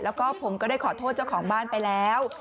แล้วก็ผมก็ได้ขอโทษเจ้าของบ้านไปแล้ว